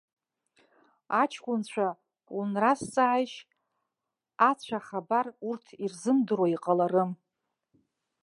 Аҷкәынцәа унразҵааишь, ацә ахабар урҭ ирзымдыруа иҟаларым.